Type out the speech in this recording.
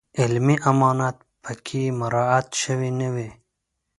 علمي امانت په کې مراعات شوی نه وي.